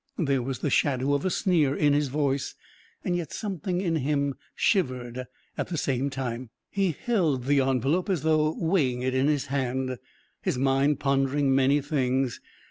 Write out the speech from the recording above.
There was the shadow of a sneer in his voice, and yet something in him shivered at the same time. He held the envelope as though weighing it in his hand, his mind pondering many things.